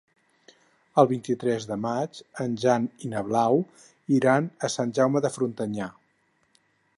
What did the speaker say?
El vint-i-tres de maig en Jan i na Blau iran a Sant Jaume de Frontanyà.